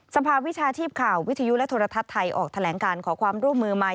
ภาวิชาชีพข่าววิทยุและโทรทัศน์ไทยออกแถลงการขอความร่วมมือมา